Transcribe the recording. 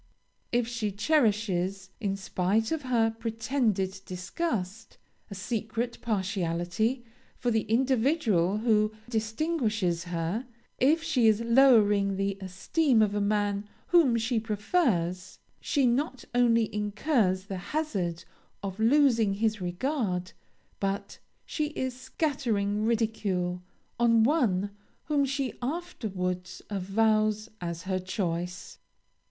If she cherishes, in spite of her pretended disgust, a secret partiality for the individual who distinguishes her, if she is lowering the esteem of a man whom she prefers, she not only incurs the hazard of losing his regard, but she is scattering ridicule on one whom she afterwards avows as her choice.